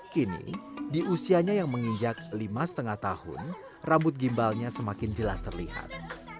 kini di usianya yang menginjak lima lima tahun rambut gimbalnya semakin jelas terlihat